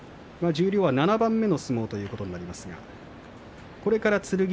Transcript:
十両は７番目の相撲ということになります。